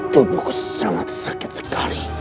tubuhku sangat sakit sekali